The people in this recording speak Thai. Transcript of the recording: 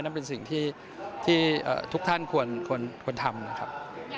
นั่นเป็นสิ่งที่ทุกท่านควรทำนะครับ